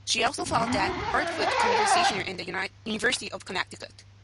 She also taught at the Hartford Conservatory and the University of Connecticut.